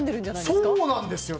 そうなんですよ。